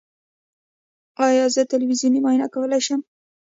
ایا زه تلویزیوني معاینه کولی شم؟